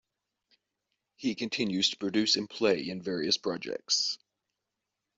He continues to produce and play in various projects.